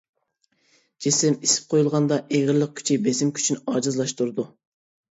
جىسىم ئېسىپ قويۇلغاندا، ئېغىرلىق كۈچى بېسىم كۈچىنى ئاجىزلاشتۇرىدۇ.